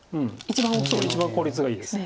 一番効率がいいです。